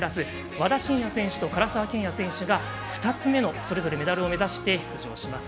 和田伸也選手、唐澤剣也選手が２つ目のそれぞれメダルを目指して出場します。